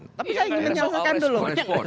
tapi saya ingin menjelaskan dulu